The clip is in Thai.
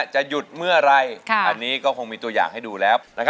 จะหยุดเมื่อไหร่อันนี้ก็คงมีตัวอย่างให้ดูแล้ว